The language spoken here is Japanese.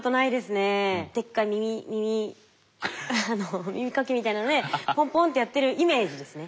でっかい耳かきみたいなのでポンポンってやってるイメージですね。